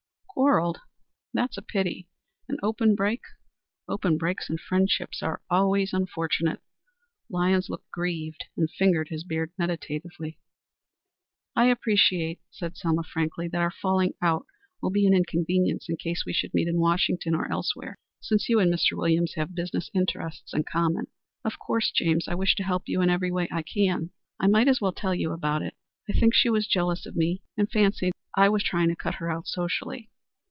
"Quarrelled? That is a pity. An open break? Open breaks in friendship are always unfortunate." Lyons looked grieved, and fingered his beard meditatively. "I appreciate," said Selma, frankly, "that our falling out will be an inconvenience in case we should meet in Washington or elsewhere, since you and Mr. Williams have business interests in common. Of course, James, I wish to help you in every way I can. I might as well tell you about it. I think she was jealous of me and fancied I was trying to cut her out socially.